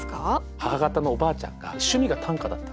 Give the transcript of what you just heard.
母方のおばあちゃんが趣味が短歌だったんですよ。